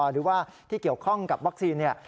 หรือว่าที่เกี่ยวข้องกับวัคซีน